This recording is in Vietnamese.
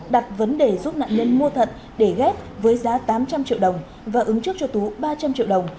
đặt vấn đề giúp nạn nhân mua thận để ghép với giá tám trăm linh triệu đồng và ứng trước cho tú ba trăm linh triệu đồng